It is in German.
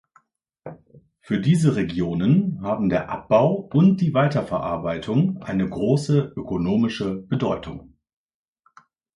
Für diese Regionen haben der Abbau und die Weiterverarbeitung eine große ökonomische Bedeutung.